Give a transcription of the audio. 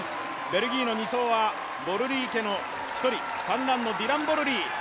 ベルギーの２走はボルリー家の１人、三男のディラン・ボルリー。